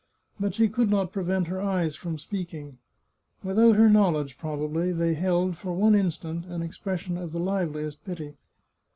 But she could not prevent her eyes from speaking. Without her knowledge, probably, they held, for one instant, an expression of the liveliest pity.